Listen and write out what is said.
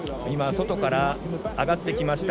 外から上がってきました